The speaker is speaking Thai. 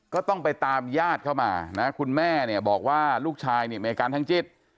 ก็ต้องไปตามญาติเข้ามานะคุณแม่เนี่ยบอกว่าลูกชายเนี่ยมีอาการทางจิต